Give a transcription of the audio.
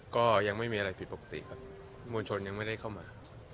ก็ยังไม่มีอะไรผิดปกติครับมวลชนยังไม่ได้เข้ามา